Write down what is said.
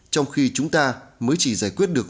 trong khi chúng ta mới chỉ giải quyết được